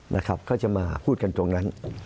นะครับก็จะมาพูดกันตรงนั้น